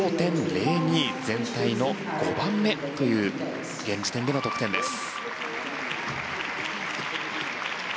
全体の５番目という現時点での得点です。